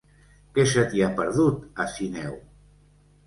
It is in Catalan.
Què se t'hi ha perdut, a Sineu?